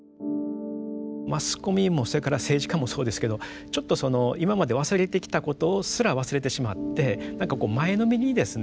マスコミもそれから政治家もそうですけどちょっとその今まで忘れてきたことすら忘れてしまって何かこう前のめりにですね